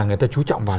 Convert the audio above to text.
người ta chú trọng vào